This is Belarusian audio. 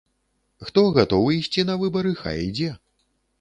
Хто гатовы ісці на выбары, хай ідзе.